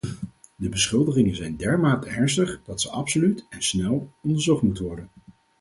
De beschuldigingen zijn dermate ernstig dat ze absoluut, en snel, onderzocht moeten worden.